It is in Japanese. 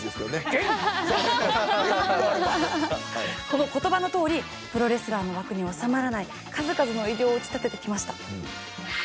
この言葉のとおりプロレスラーの枠に収まらない数々の偉業を打ち立ててきました。